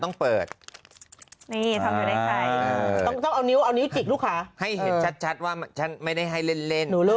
ยินดีด้วยนะครับคุณได้ทองจัดสำเพ็งไปนะครับ